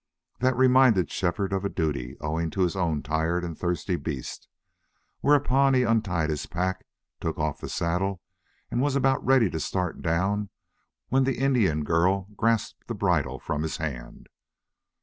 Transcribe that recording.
That reminded Shefford of the duty owing to his own tired and thirsty beast. Whereupon he untied his pack, took off the saddle, and was about ready to start down when the Indian girl grasped the bridle from his hand.